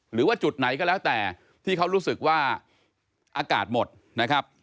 หรือว่าจุดไหนก็แล้วแต่ที่เขารู้สึกว่าอากาศหมดนะครับ